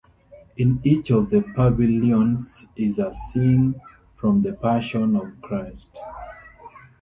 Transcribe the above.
In each of the pavilions is a scene from the Passion of Christ.